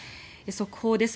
速報です。